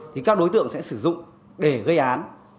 thì các đối tượng sẽ sử dụng để gây án